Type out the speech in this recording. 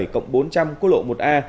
cộng bốn trăm linh cuối lộ một a